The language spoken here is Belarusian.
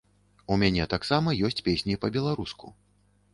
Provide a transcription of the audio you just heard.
У мяне таксама ёсць песні па-беларуску.